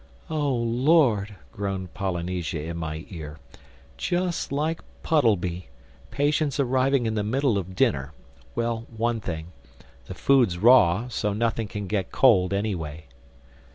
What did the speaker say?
"Oh Lord!" groaned Polynesia in my ear—"Just like Puddleby: patients arriving in the middle of dinner. Well, one thing: the food's raw, so nothing can get cold anyway."